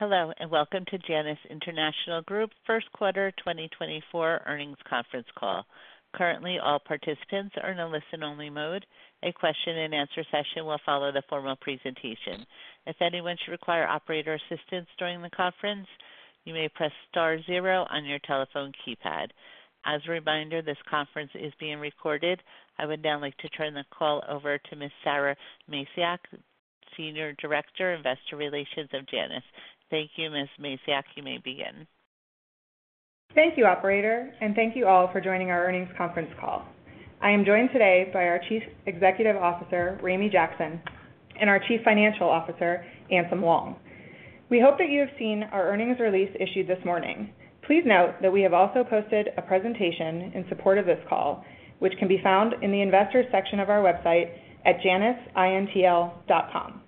Hello and welcome to Janus International Group First Quarter 2024 Earnings Conference Call. Currently, all participants are in a listen-only mode. A question-and-answer session will follow the formal presentation. If anyone should require operator assistance during the conference, you may press star zero on your telephone keypad. As a reminder, this conference is being recorded. I would now like to turn the call over to Ms. Sara Macioch, Senior Director, Investor Relations of Janus. Thank you, Ms. Macioch. You may begin. Thank you, Operator, and thank you all for joining our earnings conference call. I am joined today by our Chief Executive Officer, Ramey Jackson, and our Chief Financial Officer, Anselm Wong. We hope that you have seen our earnings release issued this morning. Please note that we have also posted a presentation in support of this call, which can be found in the Investors section of our website at janusintl.com.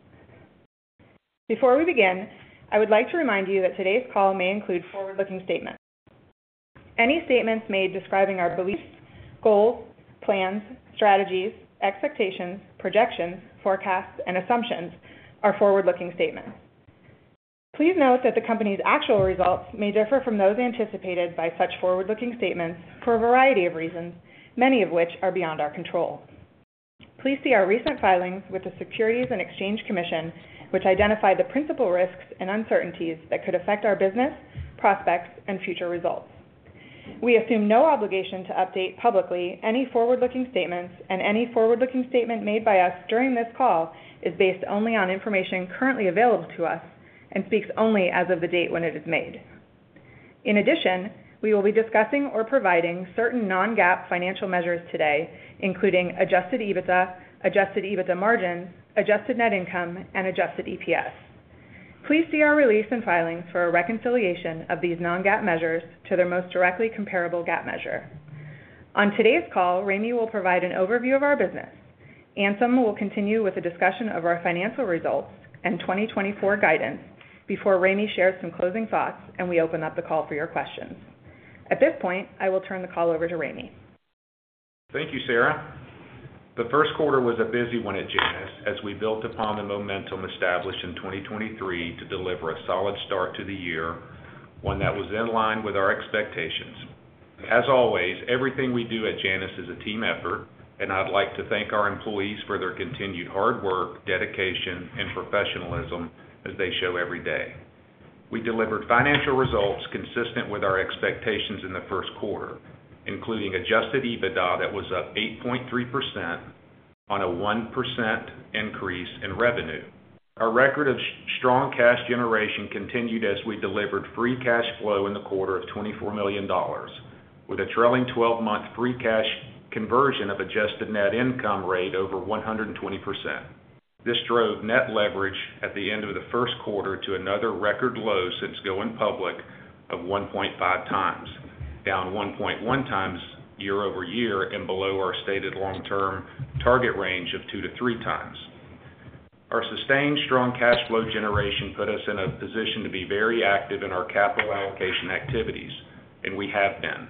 Before we begin, I would like to remind you that today's call may include forward-looking statements. Any statements made describing our beliefs, goals, plans, strategies, expectations, projections, forecasts, and assumptions are forward-looking statements. Please note that the company's actual results may differ from those anticipated by such forward-looking statements for a variety of reasons, many of which are beyond our control. Please see our recent filings with the Securities and Exchange Commission, which identified the principal risks and uncertainties that could affect our business, prospects, and future results. We assume no obligation to update publicly any forward-looking statements, and any forward-looking statement made by us during this call is based only on information currently available to us and speaks only as of the date when it is made. In addition, we will be discussing or providing certain non-GAAP financial measures today, including Adjusted EBITDA, Adjusted EBITDA margins, Adjusted net income, and Adjusted EPS. Please see our release and filings for a reconciliation of these non-GAAP measures to their most directly comparable GAAP measure. On today's call, Ramey will provide an overview of our business. Anselm will continue with a discussion of our financial results and 2024 guidance before Ramey shares some closing thoughts and we open up the call for your questions. At this point, I will turn the call over to Ramey. Thank you, Sara. The first quarter was a busy one at Janus as we built upon the momentum established in 2023 to deliver a solid start to the year, one that was in line with our expectations. As always, everything we do at Janus is a team effort, and I'd like to thank our employees for their continued hard work, dedication, and professionalism as they show every day. We delivered financial results consistent with our expectations in the first quarter, including Adjusted EBITDA that was up 8.3% on a 1% increase in revenue. Our record of strong cash generation continued as we delivered free cash flow in the quarter of $24 million, with a trailing 12-month free cash conversion of Adjusted Net Income rate over 120%. This drove net leverage at the end of the first quarter to another record low since going public of 1.5 times, down 1.1 times YoY and below our stated long-term target range of 2-3 times. Our sustained strong cash flow generation put us in a position to be very active in our capital allocation activities, and we have been.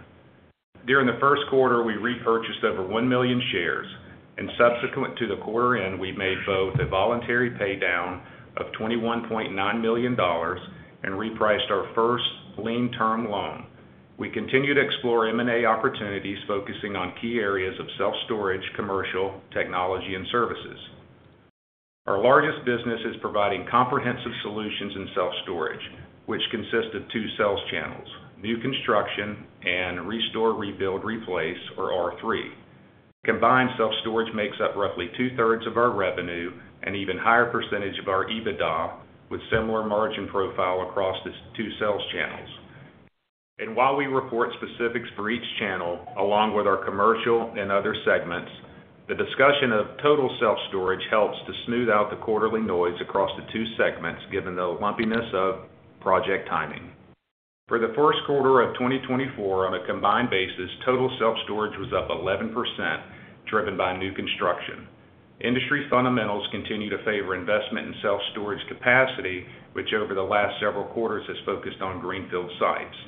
During the first quarter, we repurchased over 1 million shares, and subsequent to the quarter end, we made both a voluntary paydown of $21.9 million and repriced our first lien term loan. We continue to explore M&A opportunities focusing on key areas of self-storage, commercial, technology, and services. Our largest business is providing comprehensive solutions in self-storage, which consist of two sales channels: new construction and Restore, Rebuild, Replace, or R3. Combined self-storage makes up roughly two-thirds of our revenue and an even higher percentage of our EBITDA with a similar margin profile across the two sales channels. And while we report specifics for each channel along with our commercial and other segments, the discussion of total self-storage helps to smooth out the quarterly noise across the two segments given the lumpiness of project timing. For the first quarter of 2024, on a combined basis, total self-storage was up 11%, driven by new construction. Industry fundamentals continue to favor investment in self-storage capacity, which over the last several quarters has focused on greenfield sites.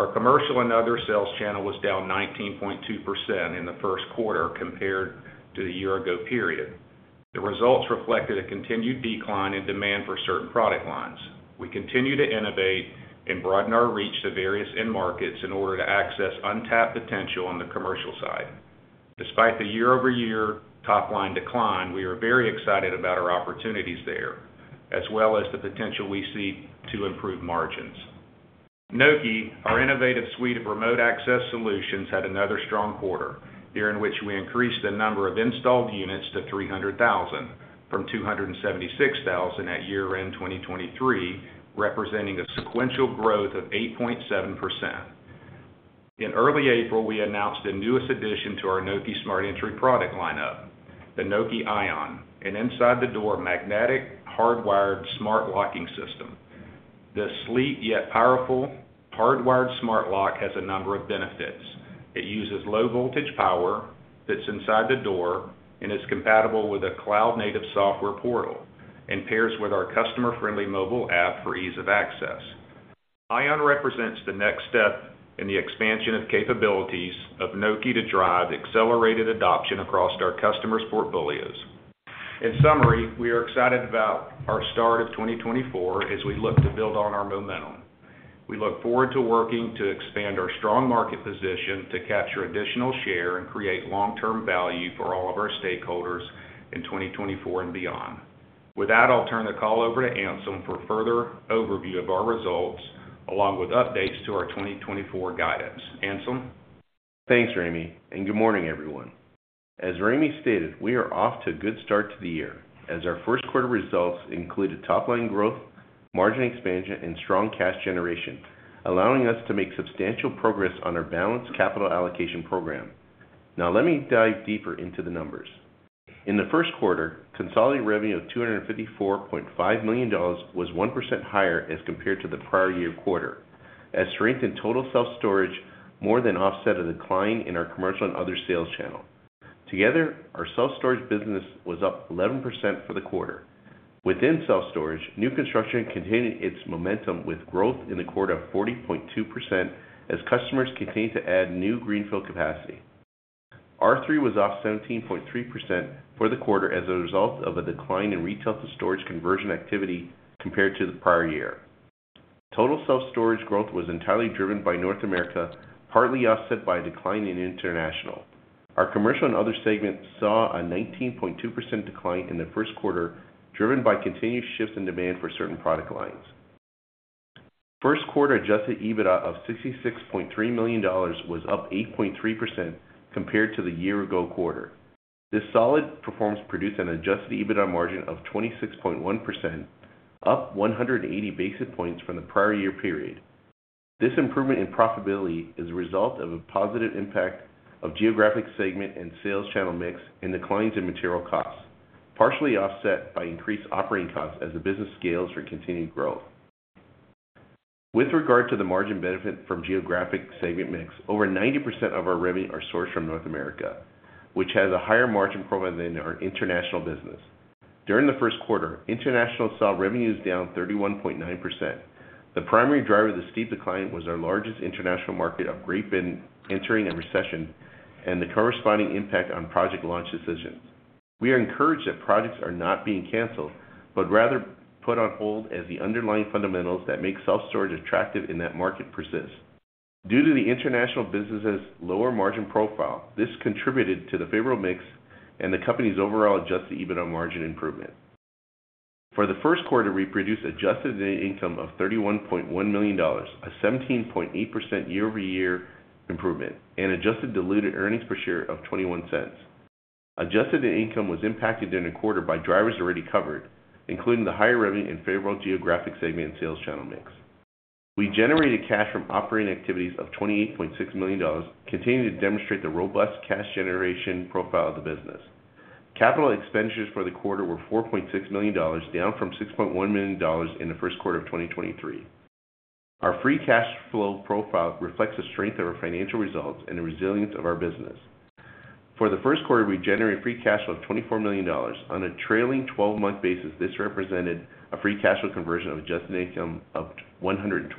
Our commercial and other sales channel was down 19.2% in the first quarter compared to the year-ago period. The results reflected a continued decline in demand for certain product lines. We continue to innovate and broaden our reach to various end markets in order to access untapped potential on the commercial side. Despite the YoY top-line decline, we are very excited about our opportunities there, as well as the potential we see to improve margins. Nokē, our innovative suite of remote access solutions, had another strong quarter during which we increased the number of installed units to 300,000 from 276,000 at year-end 2023, representing a sequential growth of 8.7%. In early April, we announced the newest addition to our Nokē Smart Entry product lineup, the Nokē Ion, an inside-the-door magnetic hardwired smart locking system. This sleek yet powerful hardwired smart lock has a number of benefits. It uses low-voltage power, fits inside the door, and is compatible with a cloud-native software portal and pairs with our customer-friendly mobile app for ease of access. Ion represents the next step in the expansion of capabilities of Nokē to drive accelerated adoption across our customers' portfolios. In summary, we are excited about our start of 2024 as we look to build on our momentum. We look forward to working to expand our strong market position to capture additional share and create long-term value for all of our stakeholders in 2024 and beyond. With that, I'll turn the call over to Anselm for further overview of our results along with updates to our 2024 guidance. Anselm? Thanks, Ramey, and good morning, everyone. As Ramey stated, we are off to a good start to the year as our first quarter results included top-line growth, margin expansion, and strong cash generation, allowing us to make substantial progress on our balanced capital allocation program. Now, let me dive deeper into the numbers. In the first quarter, consolidated revenue of $254.5 million was 1% higher as compared to the prior-year quarter as strength in total self-storage more than offset a decline in our commercial and other sales channel. Together, our self-storage business was up 11% for the quarter. Within self-storage, new construction continued its momentum with growth in the quarter of 40.2% as customers continued to add new greenfield capacity. R3 was off 17.3% for the quarter as a result of a decline in retail-to-storage conversion activity compared to the prior year. Total self-storage growth was entirely driven by North America, partly offset by a decline in international. Our commercial and other segments saw a 19.2% decline in the first quarter driven by continued shifts in demand for certain product lines. First quarter Adjusted EBITDA of $66.3 million was up 8.3% compared to the year-ago quarter. This solid performance produced an Adjusted EBITDA margin of 26.1%, up 180 basis points from the prior-year period. This improvement in profitability is a result of a positive impact of geographic segment and sales channel mix and declines in material costs, partially offset by increased operating costs as the business scales for continued growth. With regard to the margin benefit from geographic segment mix, over 90% of our revenue are sourced from North America, which has a higher margin profile than our international business. During the first quarter, international saw revenues down 31.9%. The primary driver of the steep decline was our largest international market of United Kingdom entering a recession and the corresponding impact on project launch decisions. We are encouraged that projects are not being canceled but rather put on hold as the underlying fundamentals that make self-storage attractive in that market persist. Due to the international business's lower margin profile, this contributed to the favorable mix and the company's overall Adjusted EBITDA margin improvement. For the first quarter, we produced Adjusted Net Income of $31.1 million, a 17.8% YoY improvement, and Adjusted Diluted Earnings Per Share of $0.21. Adjusted Net Income was impacted during the quarter by drivers already covered, including the higher revenue in favorable geographic segment and sales channel mix. We generated cash from operating activities of $28.6 million, continuing to demonstrate the robust cash generation profile of the business. Capital expenditures for the quarter were $4.6 million, down from $6.1 million in the first quarter of 2023. Our free cash flow profile reflects the strength of our financial results and the resilience of our business. For the first quarter, we generated free cash flow of $24 million. On a trailing 12-month basis, this represented a free cash flow conversion of Adjusted Net Income of 123%.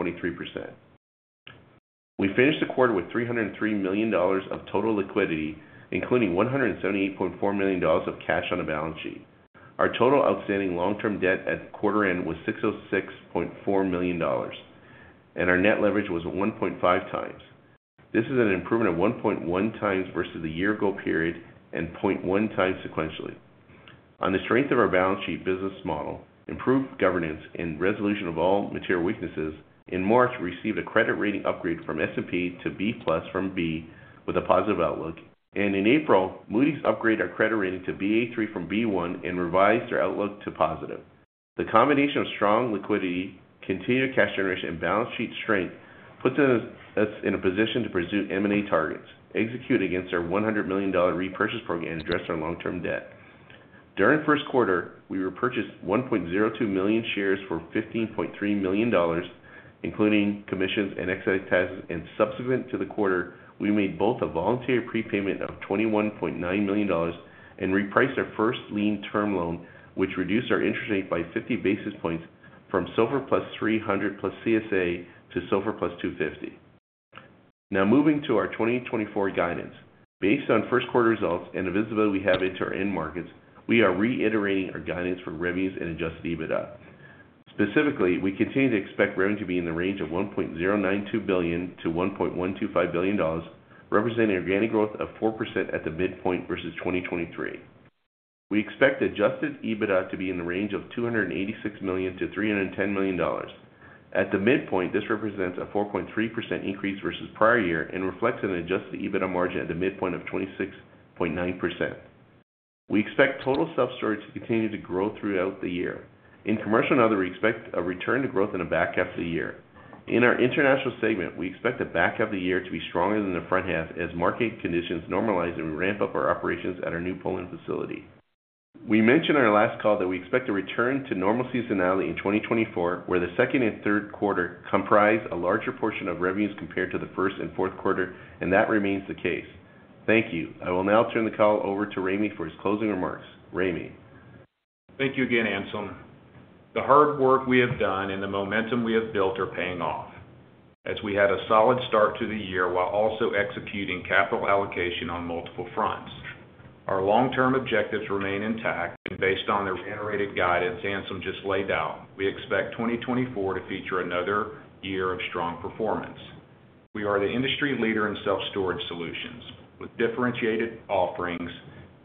We finished the quarter with $303 million of total liquidity, including $178.4 million of cash on the balance sheet. Our total outstanding long-term debt at quarter end was $606.4 million, and our net leverage was 1.5x. This is an improvement of 1.1x versus the year-ago period and 0.1x sequentially. On the strength of our balance sheet business model, improved governance, and resolution of all material weaknesses, in March we received a credit rating upgrade from S&P to B+ from B with a positive outlook. In April, Moody's upgraded our credit rating to Ba3 from B1 and revised our outlook to positive. The combination of strong liquidity, continued cash generation, and balance sheet strength puts us in a position to pursue M&A targets, execute against our $100 million repurchase program, and address our long-term debt. During the first quarter, we repurchased 1.02 million shares for $15.3 million, including commissions and excise taxes. Subsequent to the quarter, we made both a voluntary prepayment of $21.9 million and repriced our first lien term loan, which reduced our interest rate by 50 basis points from SOFR+300 plus CSA to SOFR+250. Now, moving to our 2024 guidance. Based on first quarter results and the visibility we have into our end markets, we are reiterating our guidance for revenues and Adjusted EBITDA. Specifically, we continue to expect revenue to be in the range of $1.092 billion-$1.125 billion, representing 4% growth at the midpoint versus 2023. We expect Adjusted EBITDA to be in the range of $286 million-$310 million. At the midpoint, this represents a 4.3% increase versus prior year and reflects an Adjusted EBITDA margin at the midpoint of 26.9%. We expect total self-storage to continue to grow throughout the year. In commercial and other, we expect a return to growth in the back half of the year. In our international segment, we expect the back half of the year to be stronger than the front half as market conditions normalize and we ramp up our operations at our new Poland facility. We mentioned on our last call that we expect a return to normal seasonality in 2024, where the second and third quarter comprise a larger portion of revenues compared to the first and fourth quarter, and that remains the case. Thank you. I will now turn the call over to Ramey for his closing remarks. Ramey? Thank you again, Anselm, the hard work we have done and the momentum we have built are paying off as we had a solid start to the year while also executing capital allocation on multiple fronts. Our long-term objectives remain intact, and based on the reiterated guidance Anselm just laid out, we expect 2024 to feature another year of strong performance. We are the industry leader in self-storage solutions with differentiated offerings,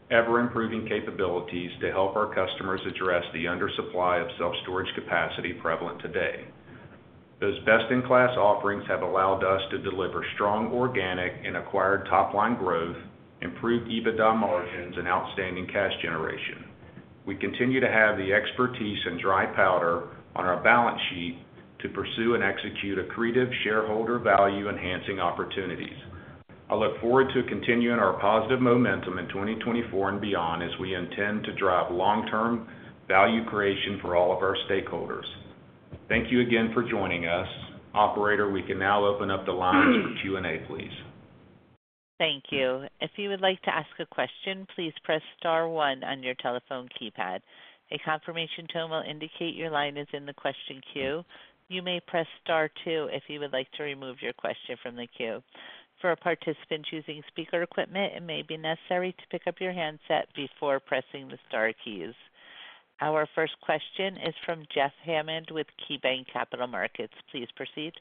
ever-improving capabilities to help our customers address the undersupply of self-storage capacity prevalent today. Those best-in-class offerings have allowed us to deliver strong organic and acquired top-line growth, improved EBITDA margins, and outstanding cash generation. We continue to have the expertise and dry powder on our balance sheet to pursue and execute accretive shareholder value-enhancing opportunities. I look forward to continuing our positive momentum in 2024 and beyond as we intend to drive long-term value creation for all of our stakeholders. Thank you again for joining us. Operator, we can now open up the lines for Q&A, please. Thank you. If you would like to ask a question, please press star one on your telephone keypad. A confirmation tone will indicate your line is in the question queue. You may press star two if you would like to remove your question from the queue. For participants using speaker equipment, it may be necessary to pick up your handset before pressing the star keys. Our first question is from Jeff Hammond with KeyBanc Capital Markets. Please proceed.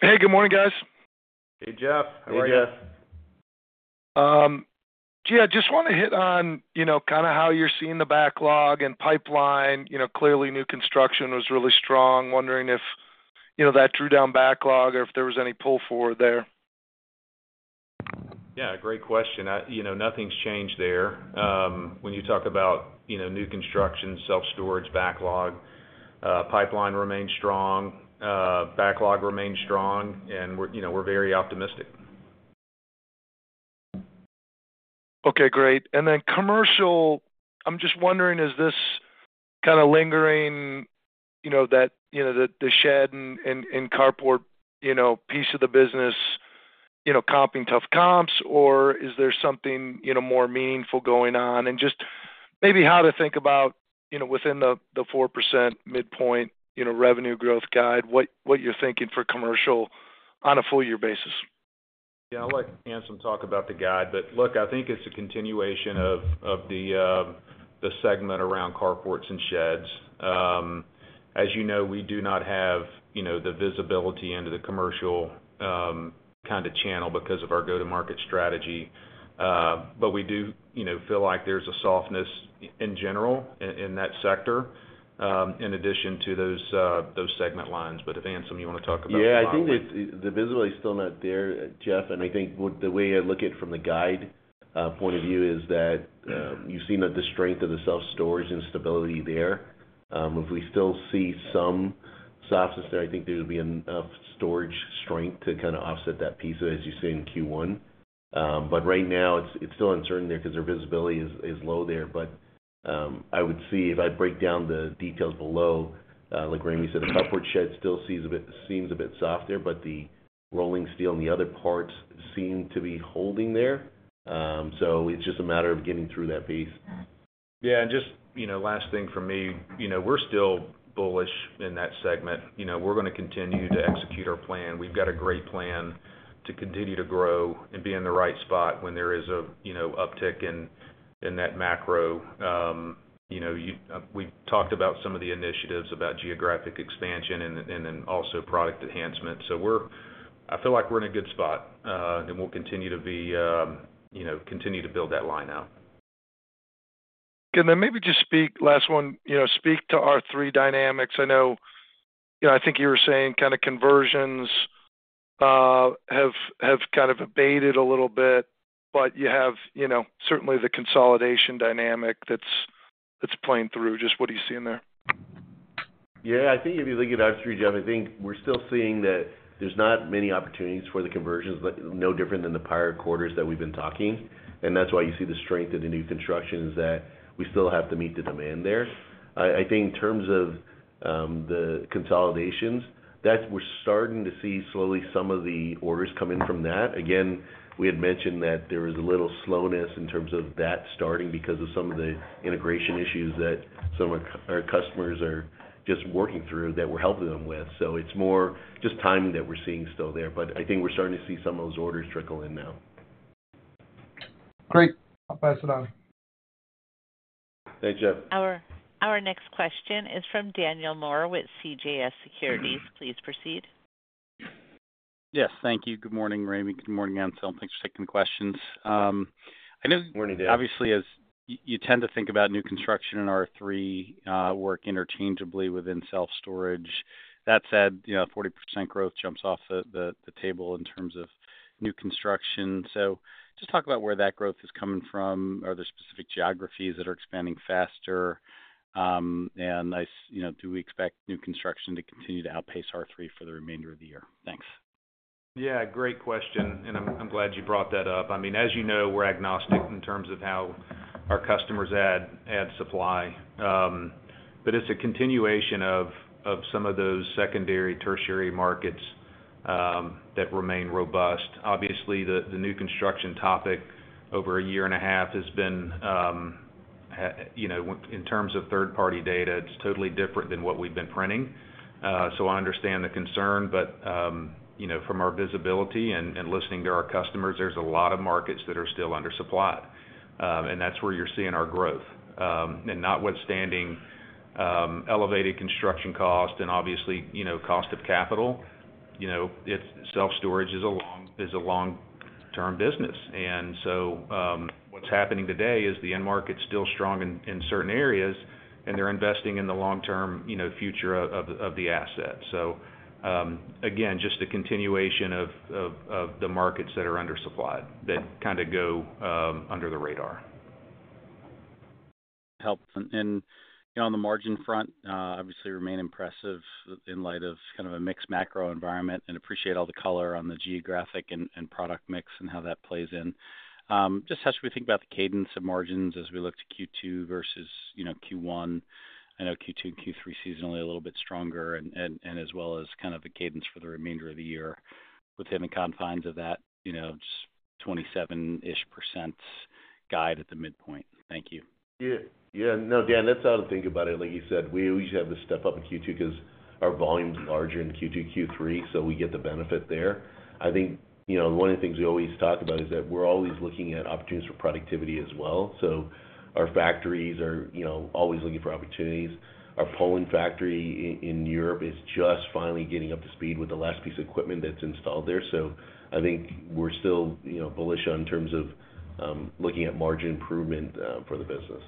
Hey, good morning, guys. Hey, Jeff. How are you? Hey, Jeff. Yeah, just want to hit on kind of how you're seeing the backlog and pipeline. Clearly, new construction was really strong. Wondering if that drew down backlog or if there was any pull forward there? Yeah, great question. Nothing's changed there. When you talk about new construction, self-storage, backlog, pipeline remains strong. Backlog remains strong, and we're very optimistic. Okay, great. And then commercial, I'm just wondering, is this kind of lingering, the shed and carport piece of the business, comping tough comps, or is there something more meaningful going on? And just maybe how to think about within the 4% midpoint revenue growth guide, what you're thinking for commercial on a full-year basis? Yeah, I'll let Anselm talk about the guide. But look, I think it's a continuation of the segment around carports and sheds. As you know, we do not have the visibility into the commercial kind of channel because of our go-to-market strategy. But we do feel like there's a softness in general in that sector in addition to those segment lines. But if Anselm, you want to talk about that line? Yeah, I think the visibility is still not there, Jeff. I think the way I look at it from the guidance point of view is that you've seen the strength of the self-storage and stability there. If we still see some softness there, I think there would be enough storage strength to kind of offset that piece, as you see in Q1. But right now, it's still uncertain there because the visibility is low there. But I would see if I break down the details below, like Ramey said, the carports and sheds still seems a bit soft there, but the rolling steel doors and the other parts seem to be holding there. So it's just a matter of getting through that piece. Yeah, and just last thing from me, we're still bullish in that segment. We're going to continue to execute our plan. We've got a great plan to continue to grow and be in the right spot when there is an uptick in that macro. We've talked about some of the initiatives about geographic expansion and then also product enhancement. So I feel like we're in a good spot, and we'll continue to build that line out. Can I maybe just speak last one, speak to R3 dynamics? I know I think you were saying kind of conversions have kind of abated a little bit, but you have certainly the consolidation dynamic that's playing through. Just what are you seeing there? Yeah, I think if you look at R3, Jeff, I think we're still seeing that there's not many opportunities for the conversions, no different than the prior quarters that we've been talking. And that's why you see the strength in the new construction, is that we still have to meet the demand there. I think in terms of the consolidations, we're starting to see slowly some of the orders come in from that. Again, we had mentioned that there was a little slowness in terms of that starting because of some of the integration issues that some of our customers are just working through that we're helping them with. So it's more just timing that we're seeing still there. But I think we're starting to see some of those orders trickle in now. Great. I'll pass it on. Thanks, Jeff. Our next question is from Daniel Moore with CJS Securities. Please proceed. Yes, thank you. Good morning, Ramey. Good morning, Anselm, thanks for taking the questions. I know obviously, as you tend to think about new construction and R3 work interchangeably within self-storage, that said, 40% growth jumps off the table in terms of new construction. So just talk about where that growth is coming from. Are there specific geographies that are expanding faster? And do we expect new construction to continue to outpace R3 for the remainder of the year? Thanks. Yeah, great question, and I'm glad you brought that up. I mean, as you know, we're agnostic in terms of how our customers add supply. But it's a continuation of some of those secondary, tertiary markets that remain robust. Obviously, the new construction topic over a year and a half has been in terms of third-party data, it's totally different than what we've been printing. So I understand the concern, but from our visibility and listening to our customers, there's a lot of markets that are still undersupplied. And that's where you're seeing our growth. And notwithstanding elevated construction cost and obviously cost of capital, self-storage is a long-term business. And so what's happening today is the end market's still strong in certain areas, and they're investing in the long-term future of the asset. So again, just a continuation of the markets that are undersupplied that kind of go under the radar. On the margin front, obviously, remain impressive in light of kind of a mixed macro environment and appreciate all the color on the geographic and product mix and how that plays in. Just how should we think about the cadence of margins as we look to Q2 versus Q1? I know Q2 and Q3 seasonally a little bit stronger, and as well as kind of the cadence for the remainder of the year within the confines of that just 27-ish% guide at the midpoint. Thank you. Yeah. Yeah. No, Dan, that's how to think about it. Like you said, we always have this step up in Q2 because our volume's larger in Q2, Q3, so we get the benefit there. I think one of the things we always talk about is that we're always looking at opportunities for productivity as well. So our factories are always looking for opportunities. Our Poland factory in Europe is just finally getting up to speed with the last piece of equipment that's installed there. So I think we're still bullish in terms of looking at margin improvement for the business.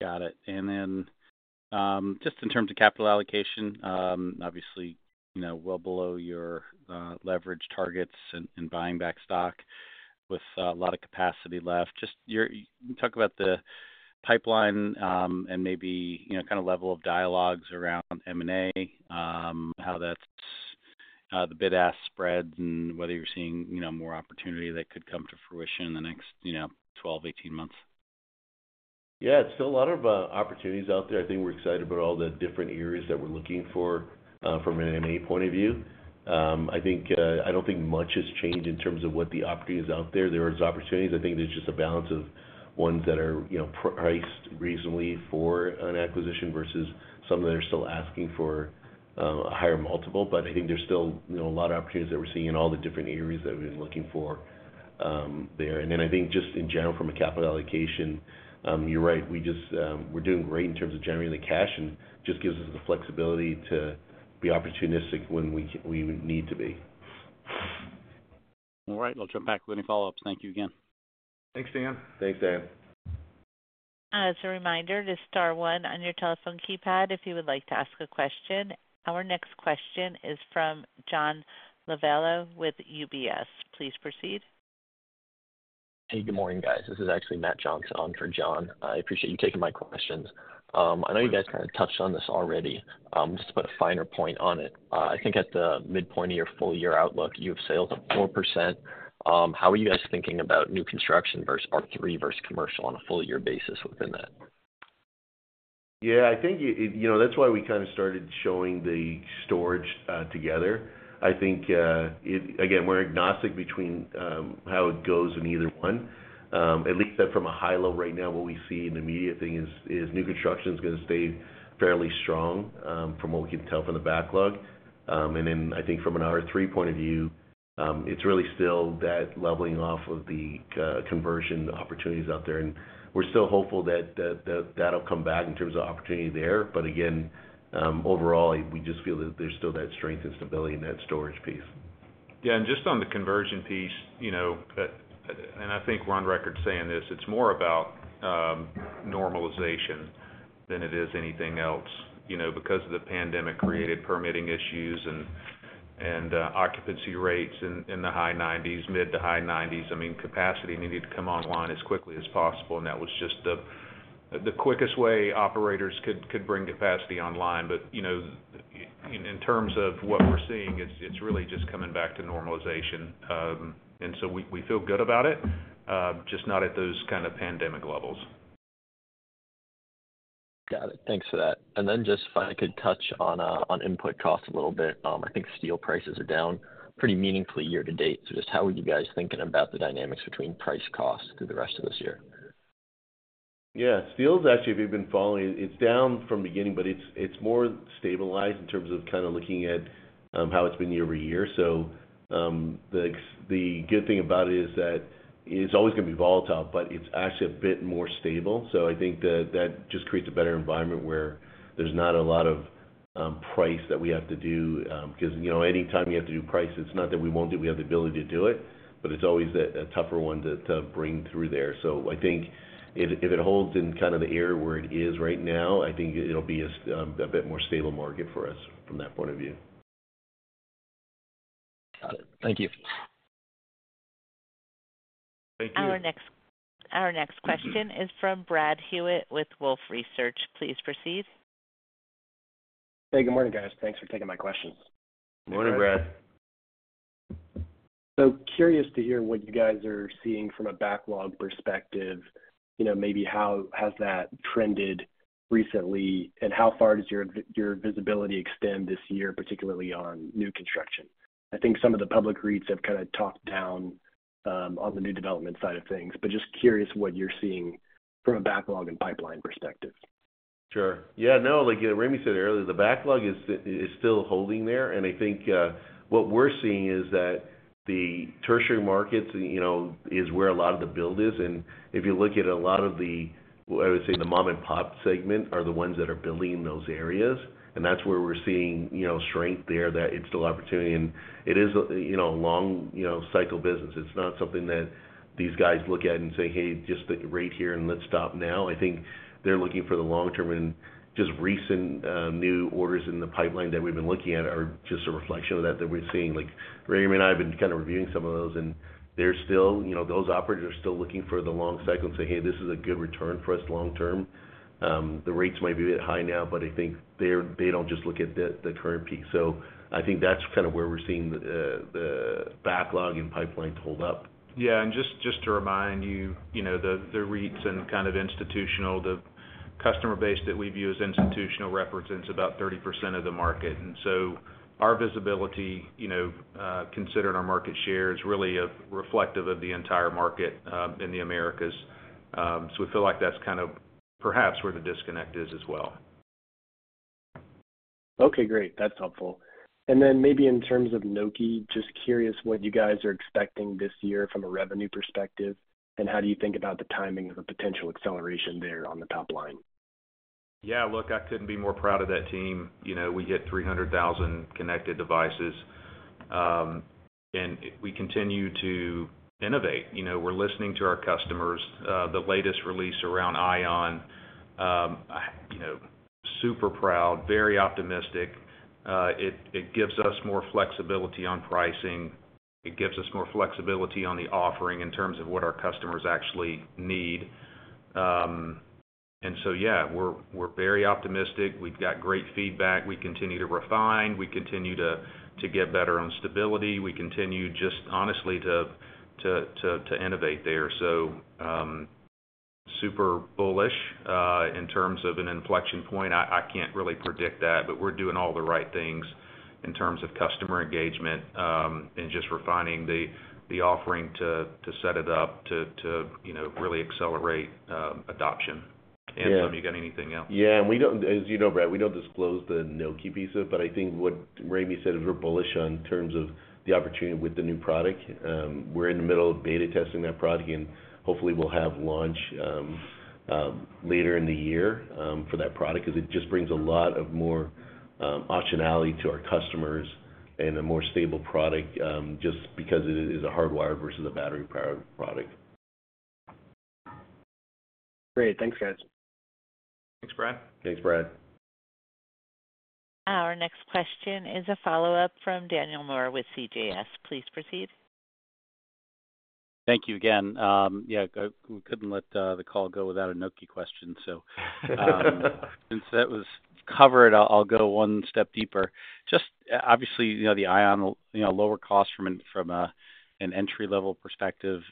Got it. Then just in terms of capital allocation, obviously, well below your leverage targets in buying back stock with a lot of capacity left. Just talk about the pipeline and maybe kind of level of dialogues around M&A, how that's the bid-ask spreads and whether you're seeing more opportunity that could come to fruition in the next 12, 18 months. Yeah, it's still a lot of opportunities out there. I think we're excited about all the different areas that we're looking for from an M&A point of view. I don't think much has changed in terms of what the opportunity is out there. There are opportunities. I think there's just a balance of ones that are priced reasonably for an acquisition versus some that are still asking for a higher multiple. But I think there's still a lot of opportunities that we're seeing in all the different areas that we've been looking for there. And then I think just in general, from a capital allocation, you're right. We're doing great in terms of generating the cash, and it just gives us the flexibility to be opportunistic when we need to be. All right. We'll jump back with any follow-ups. Thank you again. Thanks, Dan. Thanks, Dan. As a reminder, the star one on your telephone keypad if you would like to ask a question. Our next question is from John Lovello with UBS. Please proceed. Hey, good morning, guys. This is actually Matt Johnson for John. I appreciate you taking my questions. I know you guys kind of touched on this already. Just to put a finer point on it, I think at the midpoint of your full-year outlook, you have sales of 4%. How are you guys thinking about new construction versus R3 versus commercial on a full-year basis within that? Yeah, I think that's why we kind of started showing the storage together. I think, again, we're agnostic between how it goes in either one. At least from a high-level right now, what we see in the market is new construction is going to stay fairly strong from what we can tell from the backlog. And then I think from an R3 point of view, it's really still that leveling off of the conversion opportunities out there. And we're still hopeful that that'll come back in terms of opportunity there. But again, overall, we just feel that there's still that strength and stability in that storage piece. Yeah, and just on the conversion piece, and I think we're on record saying this, it's more about normalization than it is anything else because of the pandemic created permitting issues and occupancy rates in the high 90s, mid to high 90s. I mean, capacity needed to come online as quickly as possible. And that was just the quickest way operators could bring capacity online. But in terms of what we're seeing, it's really just coming back to normalization. And so we feel good about it, just not at those kind of pandemic levels. Got it. Thanks for that. And then just if I could touch on input cost a little bit, I think steel prices are down pretty meaningfully year to date. So just how are you guys thinking about the dynamics between price cost through the rest of this year? Yeah, steel's actually been falling. It's down from beginning, but it's more stabilized in terms of kind of looking at how it's been YoY. So the good thing about it is that it's always going to be volatile, but it's actually a bit more stable. So I think that just creates a better environment where there's not a lot of price that we have to do because anytime you have to do price, it's not that we won't do it. We have the ability to do it, but it's always a tougher one to bring through there. So I think if it holds in kind of the air where it is right now, I think it'll be a bit more stable market for us from that point of view. Got it. Thank you. Thank you. Our next question is from Brad Hewitt with Wolfe Research. Please proceed. Hey, good morning, guys. Thanks for taking my questions. Morning, Brad. Curious to hear what you guys are seeing from a backlog perspective, maybe how has that trended recently, and how far does your visibility extend this year, particularly on new construction? I think some of the public REITs have kind of talked down on the new development side of things, but just curious what you're seeing from a backlog and pipeline perspective. Sure. Yeah, no, like Ramey said earlier, the backlog is still holding there. And I think what we're seeing is that the tertiary markets is where a lot of the build is. And if you look at a lot of the, I would say, the mom-and-pop segment are the ones that are building in those areas. And that's where we're seeing strength there, that it's still opportunity. And it is a long-cycle business. It's not something that these guys look at and say, "Hey, just the rate here and let's stop now." I think they're looking for the long-term. And just recent new orders in the pipeline that we've been looking at are just a reflection of that that we're seeing. Ramey and I have been kind of reviewing some of those, and those operators are still looking for the long cycle and say, "Hey, this is a good return for us long-term." The rates might be a bit high now, but I think they don't just look at the current peak. So I think that's kind of where we're seeing the backlog and pipeline to hold up. Yeah, and just to remind you, the REITs and kind of institutional, the customer base that we view as institutional represents about 30% of the market. And so our visibility, considering our market share, is really reflective of the entire market in the Americas. So we feel like that's kind of perhaps where the disconnect is as well. Okay, great. That's helpful. And then maybe in terms of Nokē, just curious what you guys are expecting this year from a revenue perspective, and how do you think about the timing of a potential acceleration there on the top line? Yeah, look, I couldn't be more proud of that team. We hit 300,000 connected devices. And we continue to innovate. We're listening to our customers. The latest release around Nokē Ion, super proud, very optimistic. It gives us more flexibility on pricing. It gives us more flexibility on the offering in terms of what our customers actually need. And so yeah, we're very optimistic. We've got great feedback. We continue to refine. We continue to get better on stability. We continue, just honestly, to innovate there. So super bullish in terms of an inflection point. I can't really predict that, but we're doing all the right things in terms of customer engagement and just refining the offering to set it up to really accelerate adoption. Anselm, you got anything else? Yeah. As you know, Brad, we don't disclose the Nokē piece of it, but I think what Ramey said, we're bullish in terms of the opportunity with the new product. We're in the middle of beta testing that product, and hopefully, we'll have launch later in the year for that product because it just brings a lot more optionality to our customers and a more stable product just because it is a hardwired versus a battery-powered product. Great. Thanks, guys. Thanks, Brad. Thanks, Brad. Our next question is a follow-up from Daniel Moore with CJS. Please proceed. Thank you again. Yeah, we couldn't let the call go without a Nokē question. So since that was covered, I'll go one step deeper. Just obviously, the Ion, lower cost from an entry-level perspective.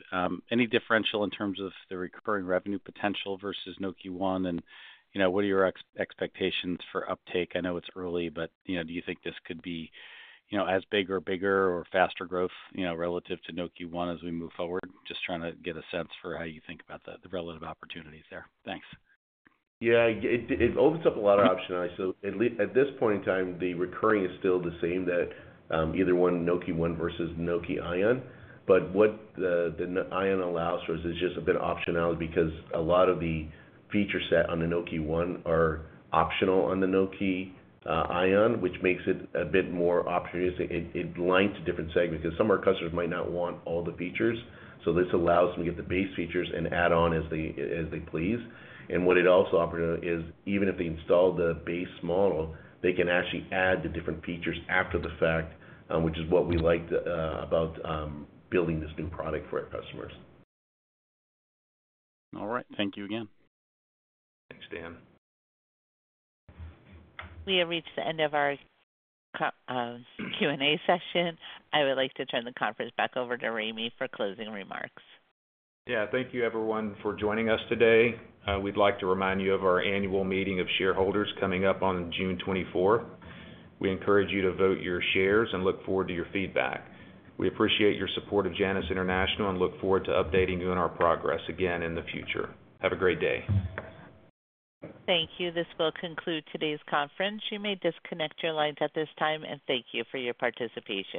Any differential in terms of the recurring revenue potential versus Nokē ONE, and what are your expectations for uptake? I know it's early, but do you think this could be as big or bigger or faster growth relative to Nokē ONE as we move forward? Just trying to get a sense for how you think about the relative opportunities there. Thanks. Yeah, it opens up a lot of optionality. So at this point in time, the recurring is still the same, either one, Nokē ONE versus Nokē Ion. But what the ION allows for is just a bit optionality because a lot of the feature set on the Nokē ONE are optional on the Nokē Ion, which makes it a bit more opportunistic. It lines to different segments because some of our customers might not want all the features. So this allows them to get the base features and add on as they please. And what it also offers is even if they install the base model, they can actually add the different features after the fact, which is what we like about building this new product for our customers. All right. Thank you again. Thanks, Dan. We have reached the end of our Q&A session. I would like to turn the conference back over to Ramey for closing remarks. Yeah, thank you, everyone, for joining us today. We'd like to remind you of our annual meeting of shareholders coming up on June 24th. We encourage you to vote your shares and look forward to your feedback. We appreciate your support of Janus International and look forward to updating you on our progress again in the future. Have a great day. Thank you. This will conclude today's conference. You may disconnect your lines at this time, and thank you for your participation.